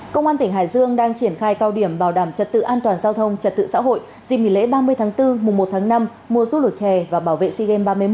công an tỉnh hải dương đang triển khai cao điểm bảo đảm trật tự an toàn giao thông trật tự xã hội dịp nghỉ lễ ba mươi tháng bốn mùa một tháng năm mùa du lịch hè và bảo vệ sea games ba mươi một